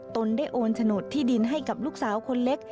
ตนได้โอนโฉนดที่ดินให้กับลูกสาวคนเล็ก